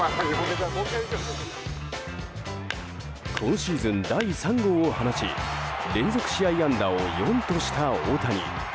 今シーズン第３号を放ち連続試合安打を４とした大谷。